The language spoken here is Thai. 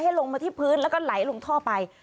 ลงมาที่พื้นแล้วก็ไหลลงท่อไป